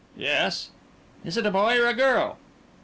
"Yes." "Is it a boy or a girl?"